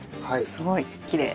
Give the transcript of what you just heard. すごいきれい。